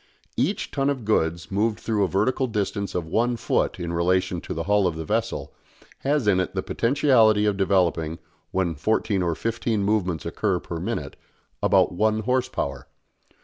Each ton of goods moved through a vertical distance of one foot in relation to the hull of the vessel, has in it the potentiality of developing, when fourteen or fifteen movements occur per minute, about one horse power.